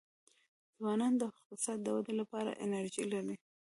ځوانان د اقتصاد د ودي لپاره انرژي لري.